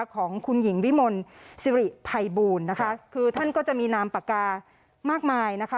ของคุณหญิงวิมลสิริภัยบูลนะคะคือท่านก็จะมีนามปากกามากมายนะคะ